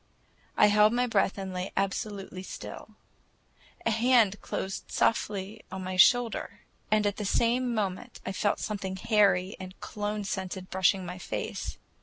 I held my breath and lay absolutely still. A hand closed softly on my shoulder, and at the same moment I felt something hairy and cologne scented brushing my face.